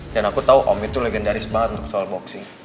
dan aku tahu om itu legendaris banget soal boxing